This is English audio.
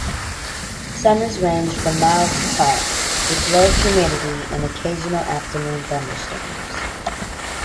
Summers range from mild to hot, with low humidity and occasional afternoon thunderstorms.